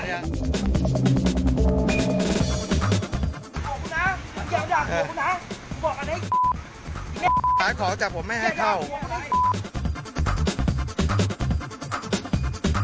เขาใส่คำว่าเป็นยาม